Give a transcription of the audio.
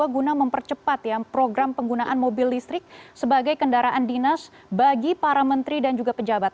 guna mempercepat ya program penggunaan mobil listrik sebagai kendaraan dinas bagi para menteri dan juga pejabat